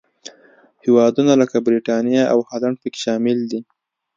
هېوادونه لکه برېټانیا او هالنډ پکې شامل دي.